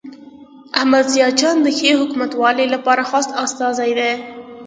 احمد ضیاء جان د ښې حکومتولۍ لپاره خاص استازی دی.